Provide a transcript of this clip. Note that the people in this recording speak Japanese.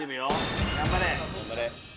頑張れ！